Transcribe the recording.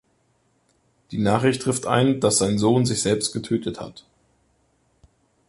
Die Nachricht trifft ein, dass sein Sohn sich selbst getötet hat.